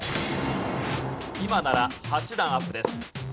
今なら８段アップです。